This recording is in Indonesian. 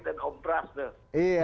dan om pras tuh